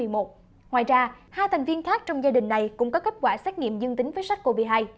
ngoài ra hai thành viên khác trong gia đình này cũng có kết quả xét nghiệm dương tính với sars cov hai